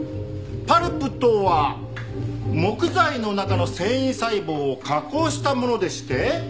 パルプとは木材の中の繊維細胞を加工したものでして。